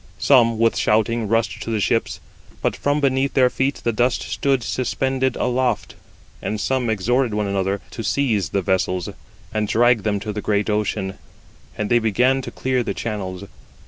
Some with shouting rushed to the ships, but from beneath their feet the dust stood suspended aloft; and some exhorted one another to seize the vessels, and drag them to the great ocean; and they began to clear the channels.